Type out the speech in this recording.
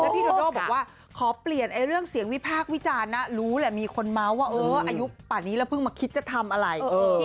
พี่โด่บอกว่าขอเปลี่ยนเรื่องเสียงวิพากษ์วิจารณ์นะรู้แหละมีคนเมาส์ว่าเอออายุป่านนี้แล้วเพิ่งมาคิดจะทำอะไร